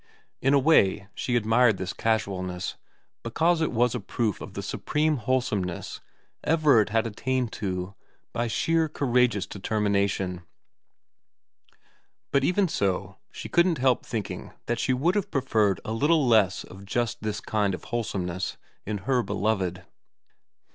In a way she admired this casualness, because it was a proof of the supreme wholesomeness Everard had 166 VERA TV attained to by sheer courageous determination, but even so she couldn't help thinking that she would have preferred a little less of just this kind of wholesomeness in her beloved.